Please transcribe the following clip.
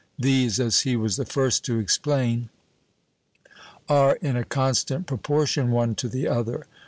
These, as he was the first to explain, are in a constant proportion one to the other.